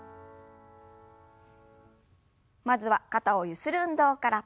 まずは肩をゆする運動から。